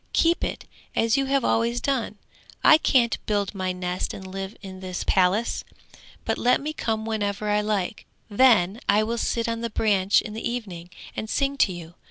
keep it as you have always done! I can't build my nest and live in this palace, but let me come whenever I like, then I will sit on the branch in the evening, and sing to you.